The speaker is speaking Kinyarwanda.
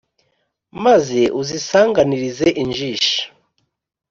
maze uzisanganirize injishi